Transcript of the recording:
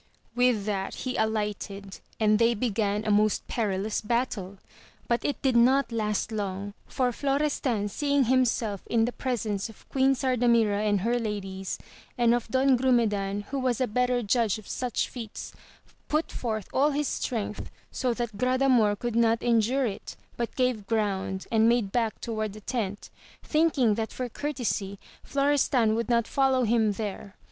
With that he alighted and they began a most perilous battle, but it did not last long, for Florestan seeing himself in the presence of Queen Sardamira and her ladies, and of Don Grumedan, who was a better judge of such feats, put forth all his strength, so that Gra damor could not endure it, but gave gromid, and 8 AMADIS OF GAUL. made back toward the tent, thinking that for courtesy Florestanr would not follow him there.